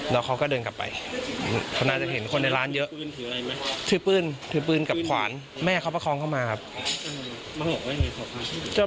แล้วเขาก็เดินกลับไปเขาน่าจะเห็นคนในร้านเยอะถือปืนถือปืนกับขวานแม่เขาประคองเข้ามาครับ